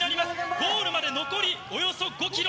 ゴールまで残りおよそ５キロ。